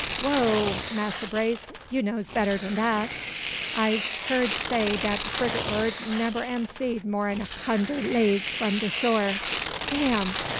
"Whoogh! Massa Brace, you knows better dan dat. I'se heerd say dat de frigate bird nebber am seed more'n a hunder league from de shore. Dam!